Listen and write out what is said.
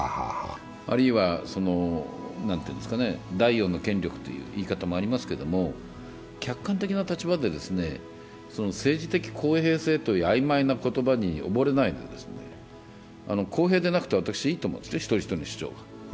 あるいは第４の権力という言い方もありますけれども客観的な立場で政治的公平性というあいまいな言葉に溺れないで公平でなくていいと思うんです、一人一人の主張が。